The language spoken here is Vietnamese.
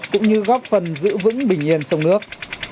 cũng như góp phần giữ vững bình yên sông nước